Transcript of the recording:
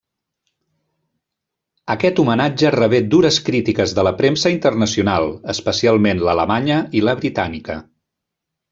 Aquest homenatge rebé dures crítiques de la premsa internacional, especialment l'alemanya i la britànica.